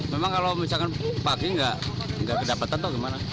memang kalau misalkan pagi nggak kedapatan atau gimana